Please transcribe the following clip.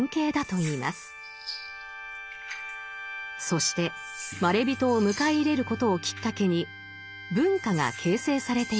そしてまれびとを迎え入れることをきっかけに文化が形成されていきました。